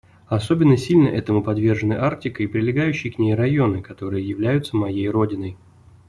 Особенно сильно этому подвержены Арктика и прилегающие к ней районы, которые являются моей родиной.